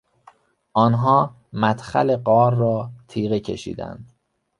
آنها مدخل غار را تیغه کشیدند.